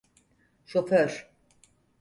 Şoför!